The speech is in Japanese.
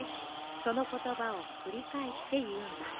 そのことばをくりかえしていうんだ。